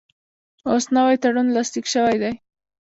اوس نوی تړون لاسلیک شوی دی.